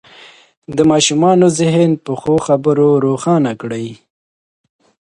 د ماشومانو ذهن په ښو خبرو روښانه کړئ.